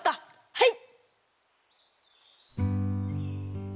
はい！